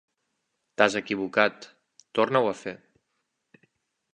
T'has equivocat, torna-ho a fer.